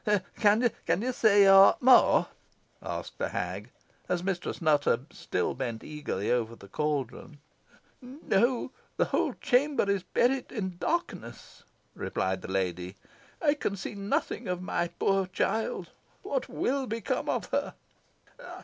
"Can you see aught more?" asked the hag, as Mistress Nutter still bent eagerly over the caldron. "No; the whole chamber is buried in darkness," replied the lady; "I can see nothing of my poor child. What will become of her?"